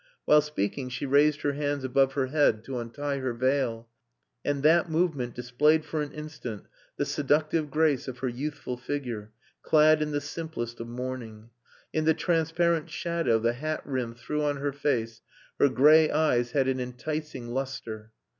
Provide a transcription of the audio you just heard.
While speaking she raised her hands above her head to untie her veil, and that movement displayed for an instant the seductive grace of her youthful figure, clad in the simplest of mourning. In the transparent shadow the hat rim threw on her face her grey eyes had an enticing lustre.